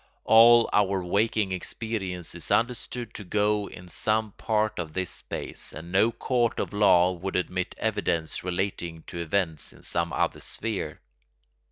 All our waking experience is understood to go on in some part of this space, and no court of law would admit evidence relating to events in some other sphere.